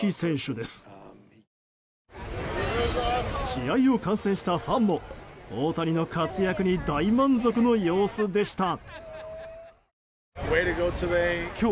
試合を観戦したファンも大谷の活躍に大満足の様子でした。